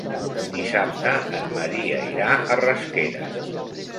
Dissabte en Maria irà a Rasquera.